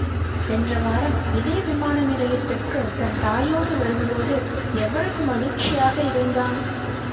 சென்ற வாரம் இதே விமானநிலையத்திற்கு தன் தாயோடு வரும்போது எவ்வளவு மகிழ்ச்சியாக இருந்தான்.